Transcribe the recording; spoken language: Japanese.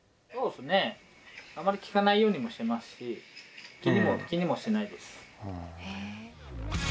そうですねあまり聞かないようにもしてますし気にもしないです。